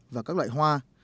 và các loại hoa